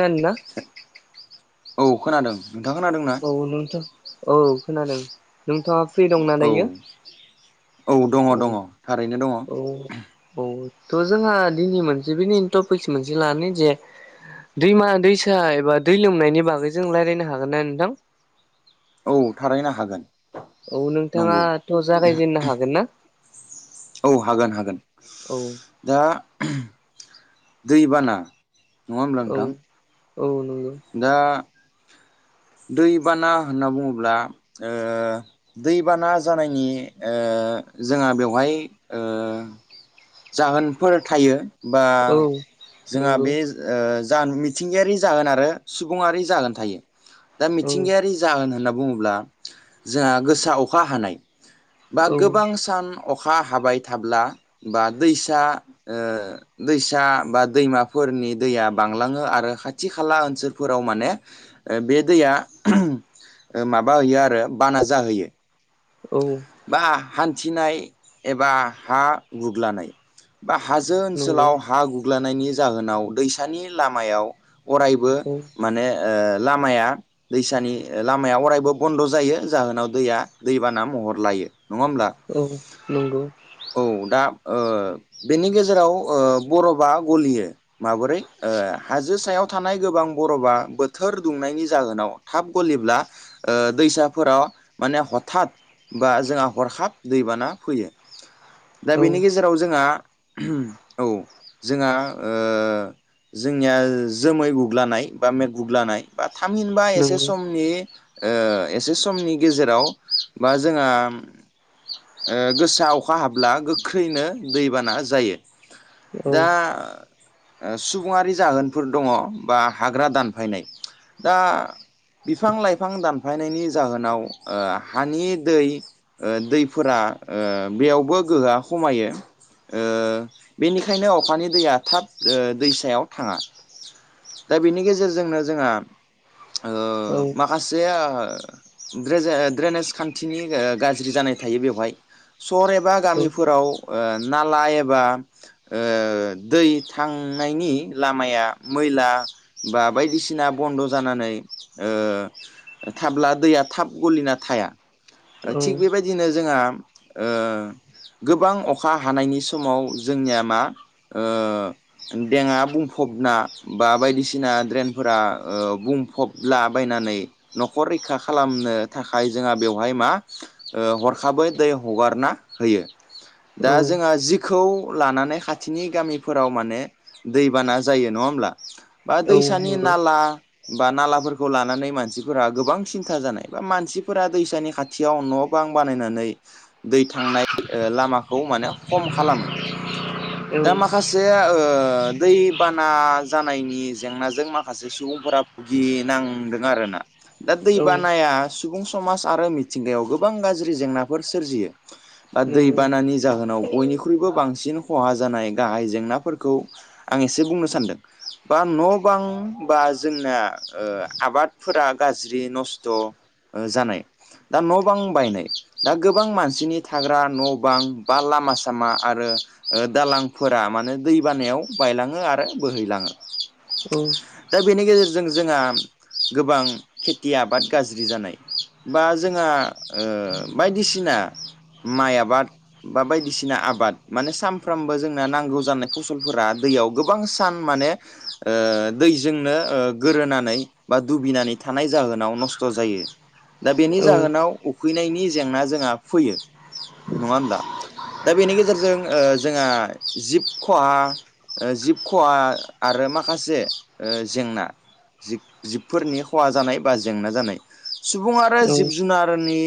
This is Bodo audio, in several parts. नना औ खोनादों नोंथां खोनादों ना औ नोंथ' औ खोनादों नोंथाङा फ्रि दंना औ दायो दङ औ दङ थारैनो दङ औ औ थ' जोंहा दिनै मोनसे बिनि टपिकस मोनसे लानो जे दैमा दैसा एबा दै लोमनायनि बागैजों रायज्लायनो हागोन ना नोंथां औ थारैनो हागोन औ नंगौ नोंथाङाथ' जागायजेननो हागोन ना औ हागोन हागोन औ दा दैबाना नङा होमब्ला औ नोंथां औ नंगौ दा दै बाना होनना बुङोब्ला दैबाना जानायनि जोंहा बेवहाय जाहोनफोर थायो बा औ जोंहा नंगौ बे ज मिथिंगायारि जागोन आरो सुबुङारि जागोन थायो दा औ मिथिंगायारि जाहोन होनना बुङोब्ला जोंहा गोसा अखा हानाय बा औ गोबां सान अखा हाबाय थाब्ला बा दैसा दैसा बा दैमाफोरनि दैया बांलाङो आरो खाथि खाला ओनसोलफोराव माने बे दैया माबा होयो आरो बाना जाहोयो औ बा हान्थिनाय एबा हा गुग्लानाय बा हाजो नंगौ ओनसोलाव हा गुग्लनि जाहोनाव दैसानि लामायाव अरायबो औ माने लामाया दैसानि लामाया अरायबो बन्द' जायो जाहोनाव दैया दैबाना महर लायो नङा होमब्ला? औ नंगौ औ दा बेनि गेजेराव बरफआ गलियो माबोरै हाजो सायाव थानाय गोबां बरफआ बोथोर दुंनायनि जाहोनाव थाब गलिब्ला दैसाफोराव माने ह थाद बा जोंहा हरखाब दैबाना फैयो दा औ बेनि गेजेराव जोंहा औ जोंहा जोंनिया जोमै गुग्लानाय बा मेट गुग्लानाय बा थामहिनबा एसे नंगौ समनि एसे समनि गेजेराव बा जोंहा गोसा अखा हाब्ला गोख्रैनो दैबाना जायो। औ दा सुबुङारि जाहोनफोर दङ बा हाग्रा दानफायनाय दा बिफां-लाइफां दानफायनायनि जाहोनाव हानि दै दैफोरा बेयावबो गोहोआ खमायो। ओ बेनिखायनो अखानि दैया थाब दैसायाव थाङा दा बेनि गेजेरजोंनो जोंहा ओ औ माखासेेआ [unintelligible] ड्रेनेस खान्थिनि गाज्रि जानाय थायो बेवहाय सहर एबा औ गामिफोराव नाला एबा दै थांनायनि लामाया मैला बा बायदिसिना बन्द' जानानै थाब्ला दैया थाब गलिना थाया थिग बेबायदिनो जोंहा गोबां अखा हानायनि समाव जोंनिया मा देंआ बुंफबना बा बायदिसिना ड्रेनफोरा बुंफबला बायनानै न'खर रैखा खालामनो थाखाय जोंहा बेवहाय मा हरखाबै दै हगारना होयो। दा औ जोंहा जि खौ लानानै खाथिनि गामिफोराव माने दैबाना जायो नङा होमब्ला। बा औ दैसानि नंगौ नाला बा नालाफोरखौ लानानै मानसिफोरा गोबां सिन्था जानाय बा मानसि फोरा दैसानि खाथियाव न' बां बानायनानै दै थांनाय लामाखौ माने खम खालामो नंगौ दा माखासे मोनसे दैबाना जानायनि जेंनाजों माखासे सुबुंफोरा भुगिनांदों आरोना दा दै बानाया सुबुं समाज आरो मिथिंगायाव गोबां गाज्रि जेंनाफोर सोरजियो। बा दैबानानि जाहोनाव बयनिख्रुइबो बांसिन खहा जानाय गाहाय जेंनाफोरखौ आं एसे बुंनो सान्दों बा न' बां बा जोंना आबादफोरा गाज्रि नस्थ' जानाय दा न' बां बायनाय दा गोबां मानसिनि थाग्रा न' बां बा लामा सामा आरो दालांफोरा माने दै बानायाव बायलाङो आरो बोहैलाङो। औ दा बेनि गेजेरजों जोंहा गोबां खेथि आबाद गाज्रि जानाय बा जोंहा बायदिसिना माइ आबाद बा बायदिसिना आबाद माने सानफ्रोमबो जोंना नांगौ जानाय फसलफोरा दैयाव गोबां सान माने दैजोंनो गोरोनानै बा दुबैनानै थानाय जाहोनाव नस्थ' जायो। दा बेनि जाहोनाव उखैनायनि जेंना जोंहा फैयो नङा होमब्ला? दा बेनि गेजेरजों जोंहा जिब खहा ओ जिब खहा आरो माखासे ओ जेंना जिब-जिबफोरनि खहा जानाय बा जेंना जानाय सुबुं आरो जिब जुनारनि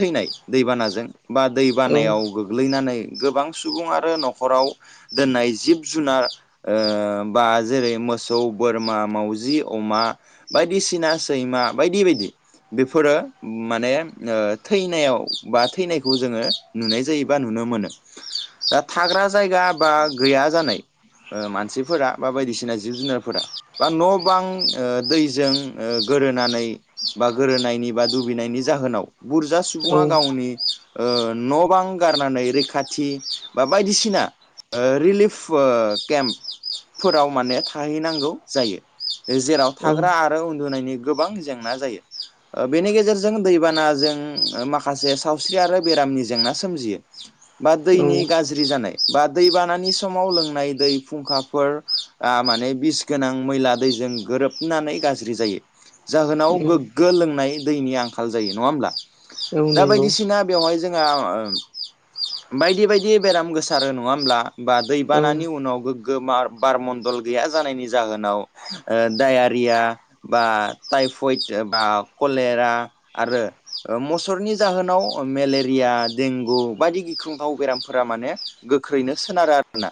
थैनाय दैबानाजों बा दैबानायाव गोग्लैनानै गोबां सुबुं आरो न'खराव दोननाय जिब-जुनार बा जेरै-मोसौ, बोरमा, मावाजि, अमा बायदिसिना सैमा बायदि बायदि बेफोरो माने ओ थैनायाव बा थैनायखौ जोङो नुनाय जायो बा नुनो मोनो। दा थाग्रा जायगा बा गैया जानाय ओ मानसिफोरा बा बायदिसिना जिब जुनारफोरा बा न' बां ओ दैजों ओ गोरोनानै बा गोरोनायनायनि बा दुगैनायनि जाहोनाव बुरजा सुबुङा गावनि ओ न' बां गारनानै रैखाथि बा बायदिसिना ओ रिलिफ केम्पफोराव माने थाहैनांगौ जायो। जेराव थाग्रा आरो उन्दुनायनि गोबां जेंना जायो। बेनि गेजेरजों दैबानाजों माखासे सावस्रि आरो बेरामनि जेंना सोमजियो। बा दैैनि गा जानाय बा दै बानानि समाव लोंनाय दै फुंखाफोर आ मानि बिस गोनां मैला दैजों गोरोबनानै गाज्रि जायो जाहोनाव गो ग्गो लोंनाय दैनि आंखाल जायो नङा होमब्ला? दा बायदिसिना बेवहाय जोंहा बायदि बायदि बेराम गोसारो नङा होमब्ला? बा दैबानानि उनाव गोगो मार बारमण्डल गैया जानायनि जाहोनाव दडायारिया बा टाइफइड बा कलेरा आरो मुसरनि जाहोनाव मेलेरिया देंगु बायदि गिख्रुंथाव बेराम फोरा माने गोख्रैनो सोनारो आरोोना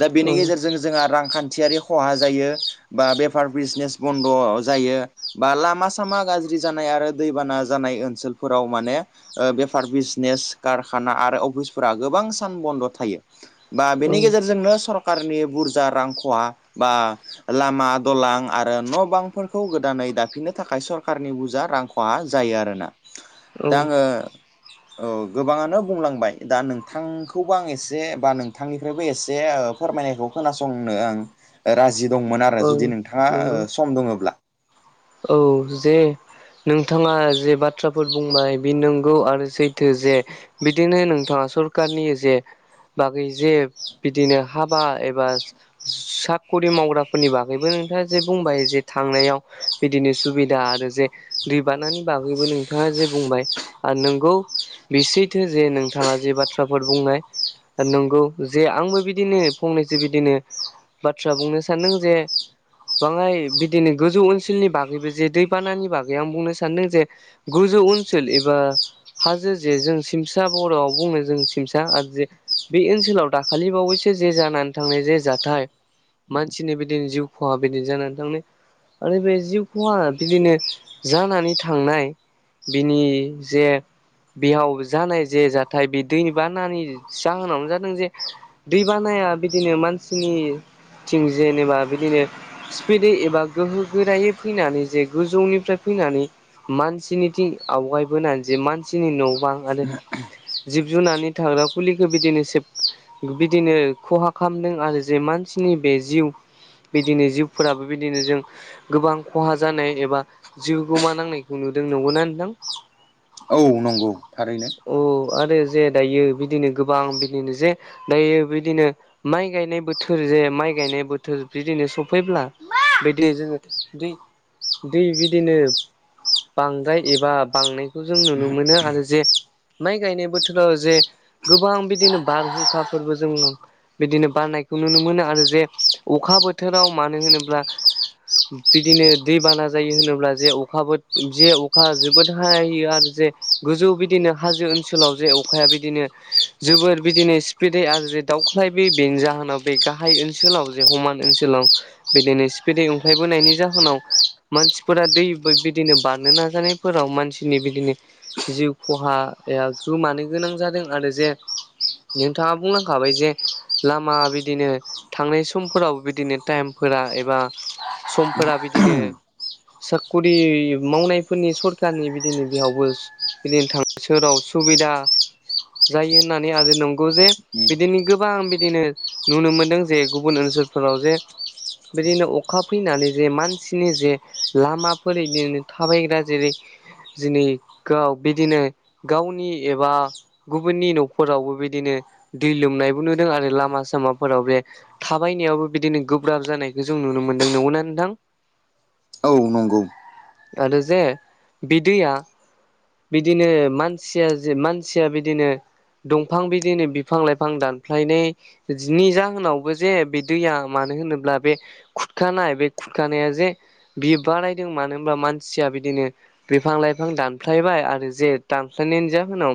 दा बेनि गेजेरजों जोंहा रांखान्थियारि खहा जायो बा बेफार बिजनेस बन्द' जायो बा लामा सामा गाज्रि जानाय आरो दैबाना जानाय ओनसोलफोराव माने ओ बेफार बिजनेस कारखाना आरो अफिसफोरा गोबां सान बन्द' थायो। बा बेनि गेजेरजोंनो सरकारनि बुरजा रां खहा बा लामा दलां आरो न' बांफोरखौ गोदानै दाफिननो थाखाय सरखारारनि बुरजा रां खहा जायो आरोना। दा आङो औ गोबाङानो बुंलांबाय दा नोंथांखौबो आं एसे बा नोंथांनिफ्रायबो एसे ओ फोरमायनायखौ खोनासंनो आं राजि दंमोन आरो जुदि नोंथाङा सम दङोब्ला। औ जे नोंथाङा जे बाथ्राफोर बुंबाय बे नों गौ आरो सैथो जे बिदिनो नोंथाङा सरखारनि जे बागै जे बिदिनो हाबा एबा साखरि मावग्राफोरनि बागैबो नोंथाङा जे बुंबाय जे थांनायाव बिदिनो सुबिदा आरो जे दैबानानि बागैबो नोंथाङा जे बुंबाय नोंगौ बि सैथो जे नोंथाङा जे बाथ्राफोर बुंनाय नंगौ जे आंबो बिदिनो फंनैसो बिदिनो बाथ्रा बुंनो सानदों जे बाङाय बिदिनो गोजौ ओनसोलनि बागैबो जे दैबानानि बागै आं बुंनो सानदों जे गोजौ ओनसोल एबा हाजो जे जों सिमसा बर'आव बुङो जों सिमसा आरो जे बे ओनसोलाव दाखालि बावैसो जे जानानै थांनाय जे जाथाय मानसिनि बिदिनो जिउ खहा बिदिनो जानानै थांनाय आरो बे जिउ खहा बिदिनो जानानै थांनाय बिनि जे बेयाव जानाय जे जाथाय बे दैनि बानानि जाहोनावनो जादों जे दै बानाया बिदिनो मानसिनि थिं जेनेबा बिदिनो स्पिडयै एबा गोहो गोरायै फैनानै जे गोजौनिफ्राय फैनानै मानसिनिथिं आवगायबोनानै जे मानसिनि न' बां आरो जिब जुननि थाग्रा खुलिखौ बिदिनो सेब बिदिनो खहा खालामदों आरो जे मानसिनि बे जिउ बिदिनो जिउफोराबो बिदिनो जों गोबां खहा जानाय एबा जिउखौ मा नांनायखौ नुदों नंगौना नोंथां? औ नंगौ थारैनो औ आरो जे दायो बिदिनो गोबां बिदिनो जे दायो बिदिनो माइ गायनाय बोथोर जे माइ गायनाय बोथोर बिदिनो सफैब्ला बिदिनो जोङो दै दै बिदिनो बांद्राय एबा बांनायखौ जों नुनो मोनो आरो जे माइ गायनाय बोथोराव जे गोबां बिदिनो बारहुंखाफोरबो जों बिदिनो बारनायखौ नुनो मोनो आरो जे अखा बोथोराव मानो होनोब्ला बिदिनो दै बाना जायो होनोब्ला जे अखाबो जे अखा जोबोद होयो आरो जे गोजौ बिदिनो हाजो ओन सोलाव जे अखाया बिदिनो जोबोर बिदिनो स्पिदै आरो जे दावख्लाय बोयो बेनि जाहोनाव बे गाहाय ओनसोलाव जे समान ओनसोलाव बिदिनो स्पिदै अंख्लायबोनायनि जाहोनाव मानसिफोरा दै बिदिनो बारनो नाजानायफोराव मानसिनि बिदिनो जिउ खहाया गोमानो गोनां जादों आरो जे नोंथाङा बुंनांखाबाय जे लामा बिदिनो थांनाय समफोराव बिदिनो टाइमफोरा एबा समफोरा बिदिनो साख्रि मावनायफोरनि सरखारनि बिदिनो बेयावबो बिदिनो थां सोराव सुबिदा जायो होननानै आरो नंगौ जे बिदिनो गोबां बिदिनो नुनो मोनदों जे गुबुन ओनसोलफोराव जे बदिनो अखा फैनानै जे मानसिनि जे लामाफोर बिदिनो थाबायग्रा जेरै जिनै गाव बिदिनो गावनि एबा गुबुननि न'फोरावबो बिदिनो दै लोमनायबो नुदों आरो लामा सामाफोराव बे थाबायनायावबो बिदिनो गोब्राब जानायखौ जों नुनो मोनदों नंगौना नोंथां? उम औ नंगौ आरो जे बि दैया बिदिनो मानसिया जे मानसिया बिदिनो दंफां बिदिनो बिफां लाइफां दानफ्लायनाय जि नि जाहोनावबो जे बे दैया मानो होनोब्ला बे खुरखानाय बे खुरखानाया जे बियो बारायदों मानो होनबा मानसिया बिदिनो बिफां लाइफां दानफ्लायबाय आरो जे दानख्लायनायनि जाहोनाव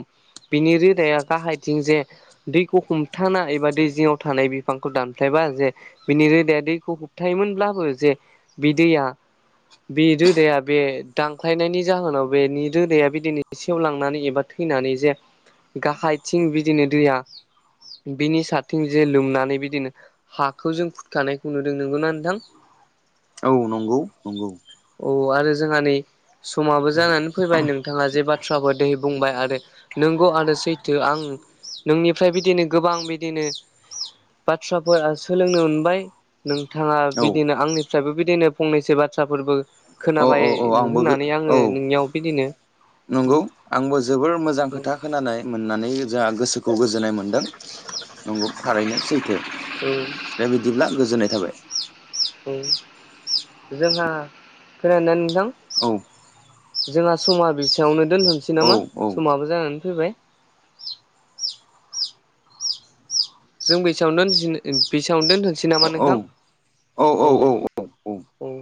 बिनि रोदाया गाहायथिं जे दैखौ हमथानानाय एबा दै जिङाव थानाय बिफांखौ दानफ्लायबा जे बिनि रोदाया दैखौ होबथायोमोनब्लाबो जे बि दैया बे रोदाया बे दांख्लायनायनि जाहोनाव बेनि रोदाया बे दिनै सेवलांनानै एबा थैनानै जे गाहायथिं बिदिनो दैया बिनि सारथिं जे लोमनानै बिदिनो हाखौ जों फुुरखानायखौ नुदों। नंगौना नोंथां? औ नंगौ नंगौ औ आरो जोंहा नै समाबो जानानै फैबाय नोंथाङा जे बाथ्राबो दहै बुंबाय आरो नोंगौ आरो सैथो आं नोंनिफ्राय बिदिनो गोबां बिदिनो बाथ्राफोरा सोलोंनो मोनबाय नोंथाङा औ बिदिनो आंनिफ्रायबो बिदिनो फंनैसो बाथ्राफोरबो औ औ खोनाबाय औ आंबो होननानै औ आङो नोंनियाव बिदिनो नंगौ आंबो जोबोर मोजां खोथा खोनानाय मोननानै जोंहा गोसोखौ गोजोननाय मोनदों। नंगौ थारैनो सैथो। औ। दे बिदिब्ला गोजोननाय थाबाय। उम जोंहा खोनादोंना नोंथां? औ जोंहा समा बेसेयावनो दोनथ'सै औ नामा औ समाबो जानानै फैबाय। जों बेसेयावनो दोन बेसेयावनो दोनथ'नोसै नामा औ नोंथां। औ [inaudible] औ।